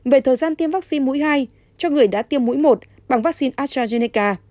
về thời gian tiêm vaccine mũi hai cho người đã tiêm mũi một bằng vaccine astrazeneca